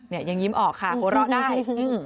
เนี่ยยังยิ้มออกค่ะกลัวรอได้